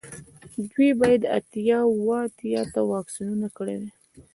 دوی باید اتیا اوه اتیا ته واکسینونه کړي وای